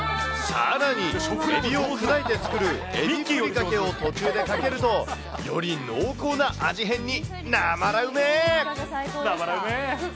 さらに、エビを砕いて作るエビふりかけを途中でかけると、より濃厚な味変に、なまらうめぇ。